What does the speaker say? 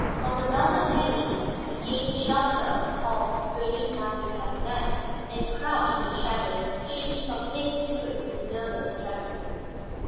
From the velvet hangings he gained the shelter of a tall Vernis Martin cabinet and crouched in the shadow, shaking from head to foot with nervous tremors.